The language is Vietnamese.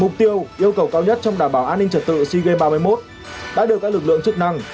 mục tiêu yêu cầu cao nhất trong đảm bảo an ninh trật tự sea games ba mươi một đã được các lực lượng chức năng